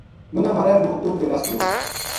مَنا مارے وہ اُتو بے نَس گیو